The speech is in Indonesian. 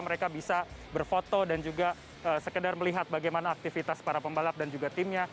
mereka bisa berfoto dan juga sekedar melihat bagaimana aktivitas para pembalap dan juga timnya